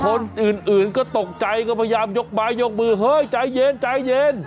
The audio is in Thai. คนอื่นก็ตกใจก็พยายามยกไม้ยกมือเฮ้ยใจเย็นใจเย็น